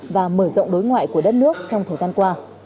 và mở rộng đối ngoại của đất nước trong thời gian qua